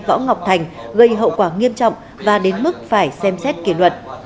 võ ngọc thành gây hậu quả nghiêm trọng và đến mức phải xem xét kết luận